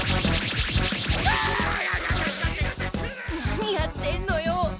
何やってんのよ。